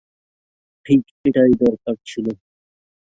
ঠিক এটাই দরকার ছিল।